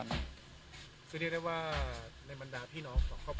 วันนี้ก็จะเป็นสวัสดีครับ